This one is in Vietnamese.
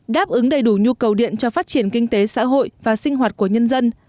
đáp ứng đầy đủ nhu cầu điện cho phát triển kinh tế xã hội và sinh hoạt của nhân dân